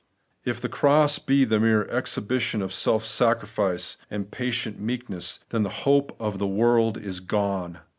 If the cross be the mere exhibition of seK sacrifice and patient meekness, then the hope of the world is gone.